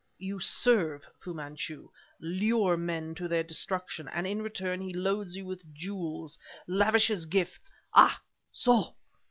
You serve Fu Manchu, lure men to their destruction, and in return he loads you with jewels, lavishes gifts " "Ah! so!"